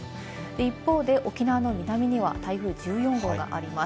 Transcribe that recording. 一方で沖縄の南には台風１４号があります。